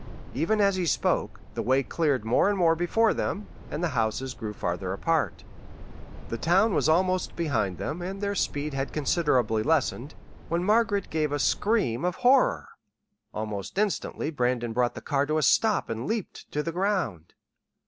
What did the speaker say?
Even as he spoke, the way cleared more and more before them, and the houses grew farther apart. The town was almost behind them, and their speed had considerably lessened, when Margaret gave a scream of horror. Almost instantly Brandon brought the car to a stop and leaped to the ground.